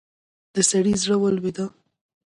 د سړي زړه ولوېد.